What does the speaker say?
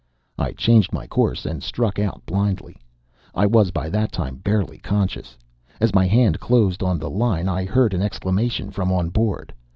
I changed my course and struck out blindly. I was by that time barely conscious. As my hand closed on the line I heard an exclamation from on board.